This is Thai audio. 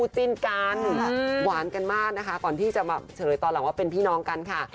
จิ้นกันหวานกันมากนะคะก่อนที่จะมาเฉยตอนหลังว่าเป็นพี่น้องกันค่ะ